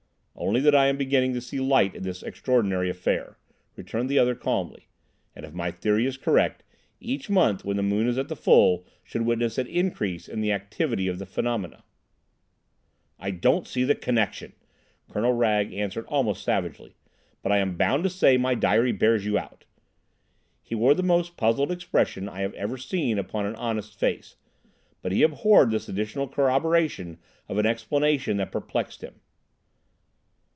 "Only that I am beginning to see light in this extraordinary affair," returned the other calmly, "and, if my theory is correct, each month when the moon is at the full should witness an increase in the activity of the phenomena." "I don't see the connection," Colonel Wragge answered almost savagely, "but I am bound to say my diary bears you out." He wore the most puzzled expression I have ever seen upon an honest face, but he abhorred this additional corroboration of an explanation that perplexed him.